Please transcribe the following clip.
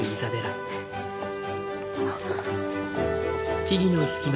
あっ。